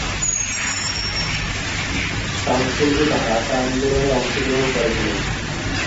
শামসুল হুদা ভাষা আন্দোলনে অংশগ্রহণ করেছিলেন।